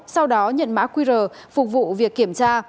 sau đó nhận mã qr phục vụ việc kiểm tra